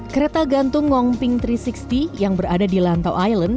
kereta gantung wong ping tiga ratus enam puluh yang berada di lantai island